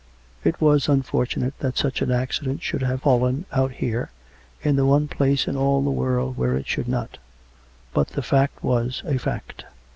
It was unfortunate that such an accident should have fallen out here, in the one place in all the world where it should not; but the fact was a fact.